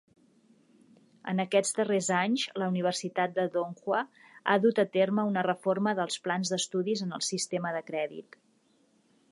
En aquests darrers anys la universitat de Donghua ha dut a terme una reforma dels plans d'estudis en el sistema de crèdit.